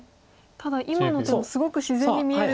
ただ今の手もすごく自然に見えるんですけど。